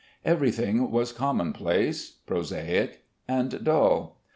Everything was commonplace, prosaic, and dull.